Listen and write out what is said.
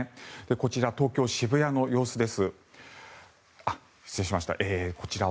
こちらは東京・渋谷の様子です。